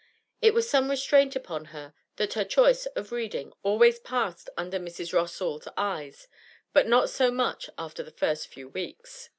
It was some restraint upon her that her choice of reading always passed under Mrs. Bossall's eyes, but not so much after the first few weeks.